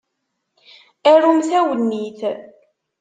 Arumt awennit.